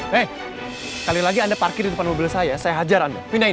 hei sekali lagi anda parkir di depan mobil saya saya hajar anda pindahin